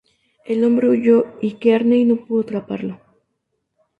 El hombre huyó y Kearney no pudo atraparlo.